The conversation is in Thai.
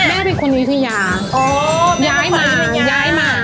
แม่เป็นคนนี้ที่ยาโอ้ยย้ายมาย้ายมา